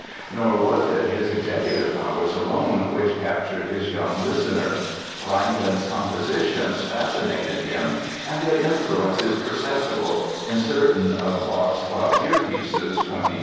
Nor was it his executive powers alone which captured his young listener. Reinken's compositions fascinated him and their influence is perceptible in certain of Bach's clavier pieces twenty years later.